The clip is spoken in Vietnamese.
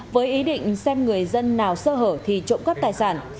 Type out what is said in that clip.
với ý định xem người dân nào sơ hở thì trộm cắp tài sản